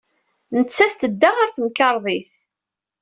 Nettat tedda ɣer temkarḍit.